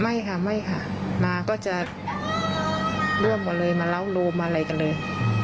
ไม่ค่ะไม่ค่ะมาก็จะร่วมหมดเลยมาเล้าโรมอะไรกันเลย